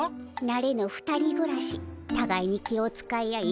なれぬ２人ぐらしたがいに気を遣い合い